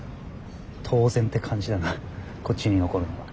当然って感じだなこっちに残るのが。